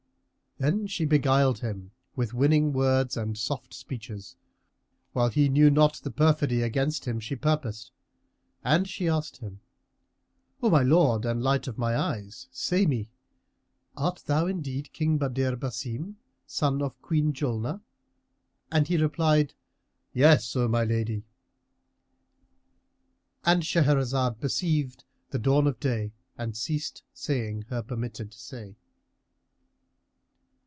Then she beguiled him with winning words and soft speeches, whilst he knew not the perfidy against him she purposed, and asked him, "O my lord and light of my eyes, say me, art thou indeed King Badr Basim, son of Queen Julnar?" And he answered, "Yes, O my lady."——And Shahrazad perceived the dawn of day and ceased saying her permitted say.